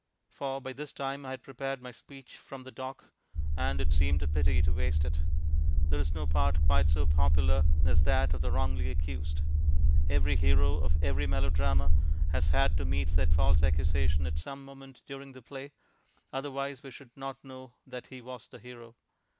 For by this time I had prepared my speech from the dock, and it seemed a pity to waste it. There is no part quite so popular as that of the Wrongly Accused. Every hero of every melodrama has had to meet that false accusation at some moment during the play; otherwise we should not know that he was the hero.